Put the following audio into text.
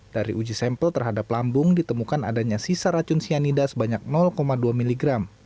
dari uji sampel terhadap lambung ditemukan adanya sisa racun cyanida sebanyak dua miligram